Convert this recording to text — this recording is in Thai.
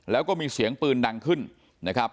แล้วก็มีเสียงปืนดังขึ้นนะครับ